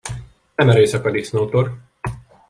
Nem erőszak a disznótor.